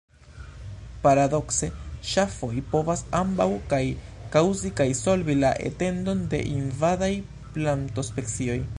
Paradokse, ŝafoj povas ambaŭ kaj kaŭzi kaj solvi la etendon de invadaj plantospecioj.